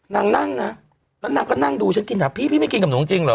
นั่งนะแล้วนางก็นั่งดูฉันกินอ่ะพี่พี่ไม่กินกับหนูจริงเหรอ